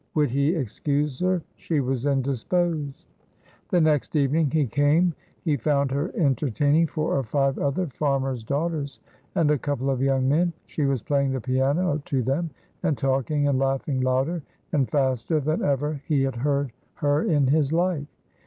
"Would he excuse her? she was indisposed." The next evening he came he found her entertaining four or five other farmers' daughters and a couple of young men. She was playing the piano to them and talking and laughing louder and faster than ever he had heard her in his life.